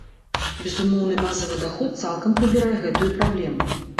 Безумоўны базавы даход цалкам прыбірае гэтую праблему.